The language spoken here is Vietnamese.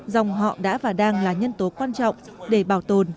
dòng họ đã và đang là nhân tố quan trọng để bảo tồn